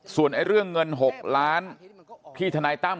ส่วนเรื่องเงิน๖ล้านที่ทนายตั้ม